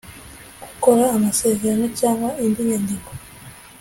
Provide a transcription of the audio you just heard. gukora amasezerano cyangwa indi nyandiko